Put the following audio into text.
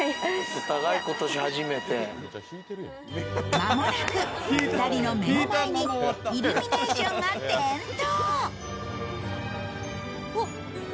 間もなく２人の目の前にイルミネーションが点灯。